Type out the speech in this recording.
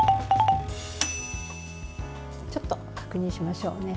ちょっと確認しましょうね。